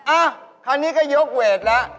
อ่ะคราวนี้ก็ยกเวทแล้ว